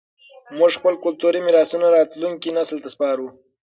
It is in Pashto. موږ خپل کلتوري میراثونه راتلونکي نسل ته سپارو.